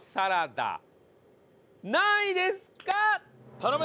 頼む！